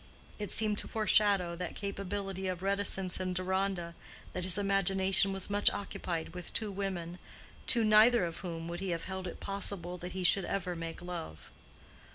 It seemed to foreshadow that capability of reticence in Deronda that his imagination was much occupied with two women, to neither of whom would he have held it possible that he should ever make love.